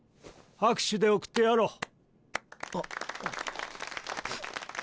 拍手で送ってやろう。